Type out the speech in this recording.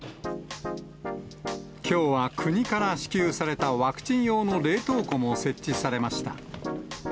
きょうは国から支給されたワクチン用の冷凍庫も設置されました。